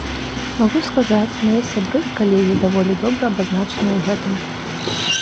Магу сказаць, мае сябры і калегі даволі добра абазнаныя ў гэтым.